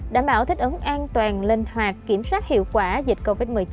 đảm bảo thích ứng an toàn linh hoạt kiểm soát hiệu quả dịch covid một mươi chín